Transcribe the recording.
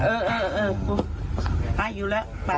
เออห้าอยู่แล้ว